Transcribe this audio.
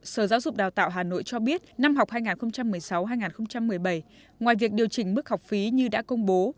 sở giáo dục đào tạo hà nội cho biết năm học hai nghìn một mươi sáu hai nghìn một mươi bảy ngoài việc điều chỉnh mức học phí như đã công bố